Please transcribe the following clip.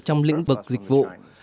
trong lĩnh vực dịch vụ